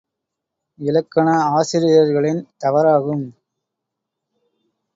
இலக்கண ஆசிரியர்களின் தவறாகும்.